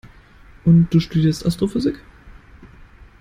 Und du studierst Astrophysik?